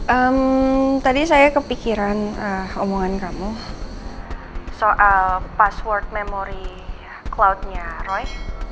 ehm tadi saya kepikiran omongan kamu soal password memory cloudnya roy